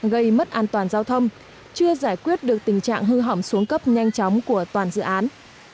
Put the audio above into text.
gây mất an toàn giao thông chưa giải quyết được tình trạng hư hỏng xuống cấp nhanh chóng của toàn dự án